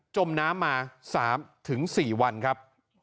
จมน้ำมา๓๔วันครับ